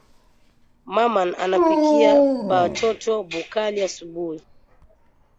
Maman anapikia ba toto bu kali asubui